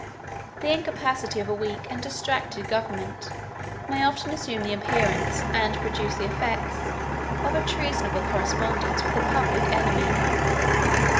The incapacity of a weak and distracted government may often assume the appearance, and produce the effects, of a treasonable correspondence with the public enemy.